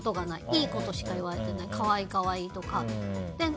いいことしか言われてない可愛い、可愛いとか。